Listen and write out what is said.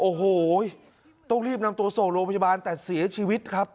โอ้โหต้องรีบนำตัวส่งโรงพยาบาลแต่เสียชีวิตครับ